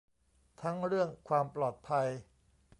ทั้งเรื่องความปลอดภัย